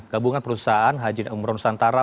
gabungan perusahaan haji dan umroh nusantara